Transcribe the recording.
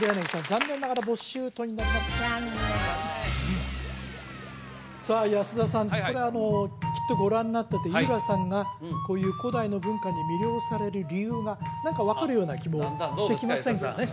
残念残念さあ安田さんこれきっとご覧になってて井浦さんがこういう古代の文化に魅了される理由が何か分かるような気もしてきませんかね？